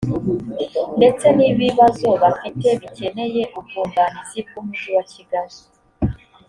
ndetse n ibibazo bafite bikeneye ubwunganizi bw umujyi wakigali